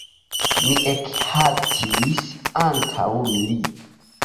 Mi ekhaltis antaŭ li.